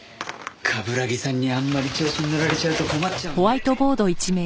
冠城さんにあんまり調子にのられちゃうと困っちゃうんで。